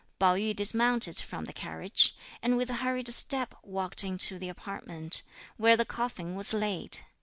Pao yü dismounted from the carriage; and with hurried step, walked into the apartment, where the coffin was laid.